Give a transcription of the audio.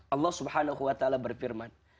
allah swt berfirman